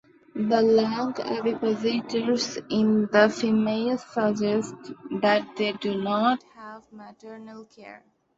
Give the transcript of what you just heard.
The long ovipositors in the females suggest that they do not have maternal care.